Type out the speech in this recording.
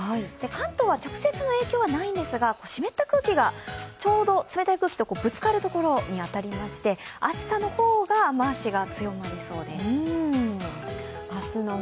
関東は直接の影響はないんですが湿った空気がちょうど冷たい空気とぶつかるところに当たりまして明日の方が雨足が強まりそうです。